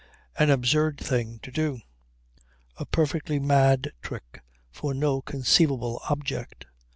An absurd thing to do. A perfectly mad trick for no conceivable object!